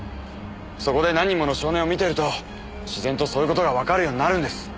そこで何人もの少年を見てると自然とそういう事がわかるようになるんです。